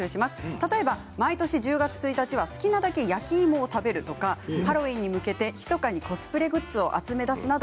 例えば毎年１０月１日は好きなだけ焼き芋を食べるとかハロウィーンに向けてひそかにコスプレグッズを集め出すなど